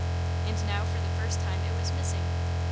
And now for the first time it was missing.